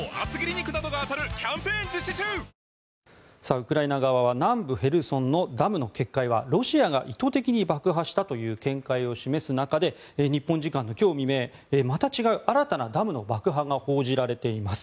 ウクライナ側は南部ヘルソンのダムの決壊はロシアが意図的に爆破したという見解を示す中で日本時間の今日未明また違う、新たなダムの爆破が報じられています。